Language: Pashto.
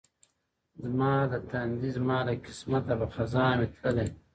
زما له تندي زما له قسمته به خزان وي تللی .